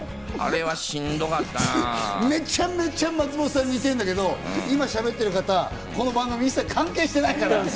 めちゃめちゃ松本さんに似てるんだけど、今しゃべってる方、この番組一切関係してないから。